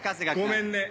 ごめんね。